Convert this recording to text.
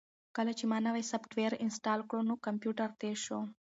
کله چې ما نوی سافټویر انسټال کړ نو کمپیوټر تېز شو.